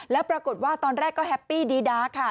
แล้วปรากฏว่าตอนแรกก็แฮปปี้ดีดาค่ะ